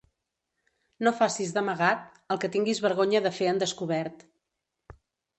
No facis d'amagat el que tinguis vergonya de fer en descobert.